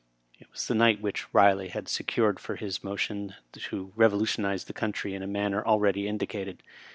It was the night which Kiley had secured for his mo tion to revolutionize the country in the manner already indicated.